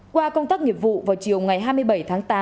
qua công tác nghiệp vụ vào chiều ngày hai mươi bảy tháng tám